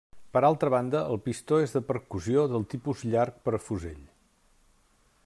Per altra banda el pistó és de percussió del tipus llarg per a fusell.